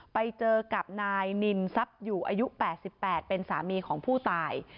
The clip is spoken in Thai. ไปเจอกับนายนินทรัพย์อยู่อายุ๘๘เป็นสามีของผู้ตาย